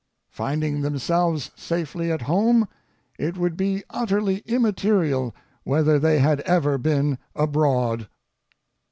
Finding themselves safely at home, it would be utterly immaterial whether they had ever been abroad.